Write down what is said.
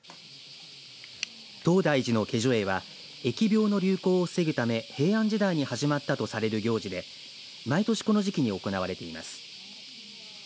東大寺の解除会は疫病の流行を防ぐため平安時代に始まったとされる行事で毎年この時期に行われています。